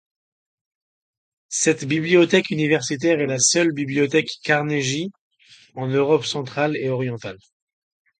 Cette bibliothèque universitaire est la seule bibliothèque Carnegie en Europe centrale et orientale.